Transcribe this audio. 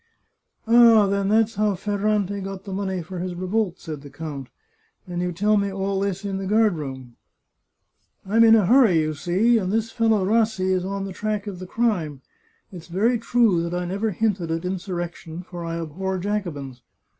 " Ah, then that's how Ferrante got the money for his re volt !" said the count. " And you tell me all this in the guard room !"" I'm in a hurry, you see, and this fellow Rassi is on the track of the crime. It's very true that I never hinted at in surrection, for I abhor Jacobins.